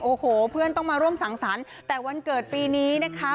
โอ้โหเพื่อนต้องมาร่วมสังสรรค์แต่วันเกิดปีนี้นะคะ